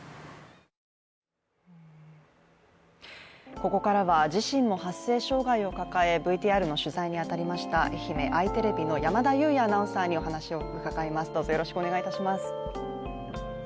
ここからは自身も発声障害を抱えＶＴＲの取材に当たりました、愛媛あいテレビの山田祐也アナウンサーにお話を伺います。